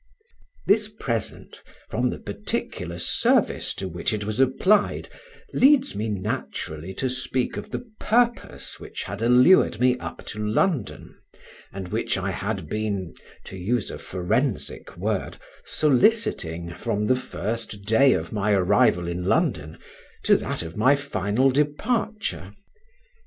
This present, from the particular service to which it was applied, leads me naturally to speak of the purpose which had allured me up to London, and which I had been (to use a forensic word) soliciting from the first day of my arrival in London to that of my final departure.